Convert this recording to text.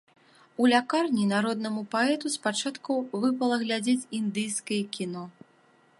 У лякарні народнаму паэту спачатку выпала глядзець індыйскае кіно.